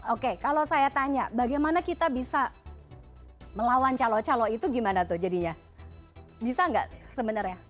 oke kalau saya tanya bagaimana kita bisa melawan calo calo itu gimana tuh jadinya bisa nggak sebenarnya